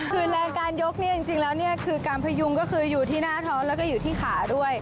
คือแรงการยกเนี่ยจริงแล้วเนี่ยคือการพยุงก็คืออยู่ที่หน้าท้องแล้วก็อยู่ที่ขาด้วย